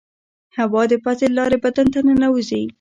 هوا د پزې له لارې بدن ته ننوزي.